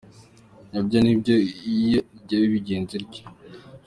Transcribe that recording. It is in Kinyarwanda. Nibyo na byo ijya ibigenza ityo.